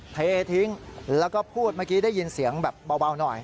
เททิ้งแล้วก็พูดเมื่อกี้ได้ยินเสียงแบบเบาหน่อย